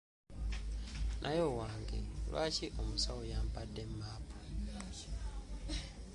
Naye owange lwaki Omusawo yampadde map?